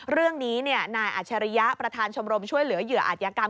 เรื่องนี้นายอัชริยะประธานชมรมช่วยเหลือเหยื่ออาจยากรรม